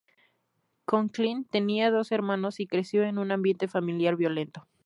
Conklin tenía dos hermanos, y creció en un ambiente familiar violento.